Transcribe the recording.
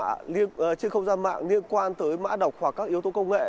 nhưng trên không gian mạng liên quan tới mã đọc hoặc các yếu tố công nghệ